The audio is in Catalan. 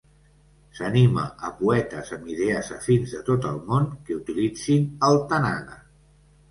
S'anima a poetes amb idees afins de tot el món que utilitzin el Tanaga.